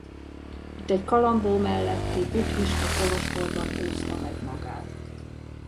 Itt egy Colombo melletti buddhista kolostorban húzta meg magát.